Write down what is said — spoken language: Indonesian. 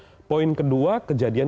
dan pimpinan kpk tidak hadir di situ